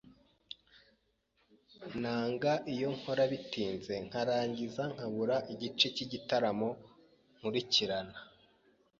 Nanga iyo nkora bitinze nkarangiza nkabura igice cyigitaramo nkurikirana.